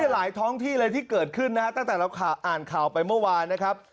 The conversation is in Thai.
หลายท้องที่เลยที่เกิดขึ้นนะฮะตั้งแต่เราอ่านข่าวไปเมื่อวานนะครับ